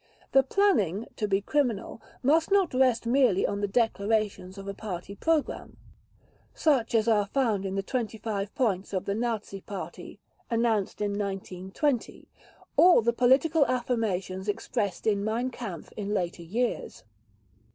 The planning, to be criminal, must not rest merely on the declarations of a party program, such as are found in the 25 points of the Nazi Party, announced in 1920, or the political affirmations expressed in Mein Kampf in later years.